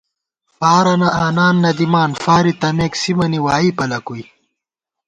فارَنہ آنان نہ دِمان فارے تمېک سِمَنی وائی پلَکُوئی